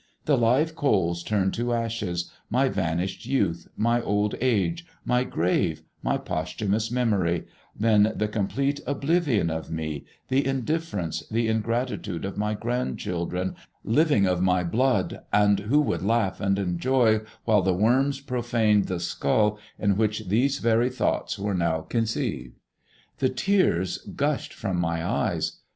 The live coals turned to ashes, my vanished youth, my old age, my grave, my posthumous memory, then the complete oblivion of me, the indifference, the ingratitude of my grandchildren, living of my blood, and who would laugh and enjoy while the worms profaned the skull in which these very thoughts were now conceived. The tears gushed from my eyes.